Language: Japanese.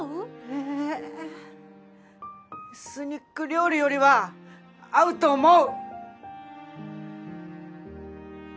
えエスニック料理よりは合うと思う！